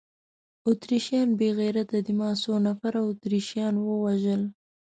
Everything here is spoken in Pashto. اتریشیان بې غیرته دي، ما څو نفره اتریشیان ووژل؟